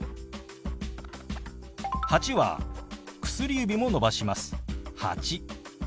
「８」は薬指も伸ばします。